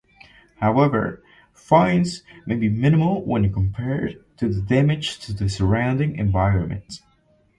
However, fines may be minimal when compared to the damage to the surrounding environment.